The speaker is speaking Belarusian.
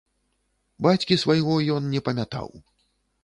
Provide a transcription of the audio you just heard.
Бацькі свайго ён не памятаў.